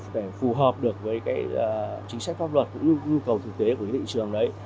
để phù hợp được với chính sách pháp luật nhu cầu thực tế của thị trường đấy